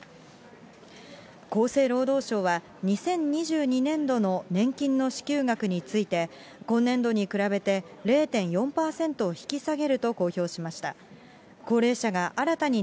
厚生労働省は、２０２２年度の年金の支給額について、今年度に比べて０．４％引き下げると公表しました。